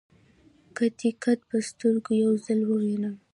که دې قد په سترګو یو ځل وویني.